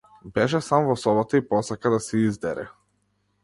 Беше сам во собата, и посака да се издере.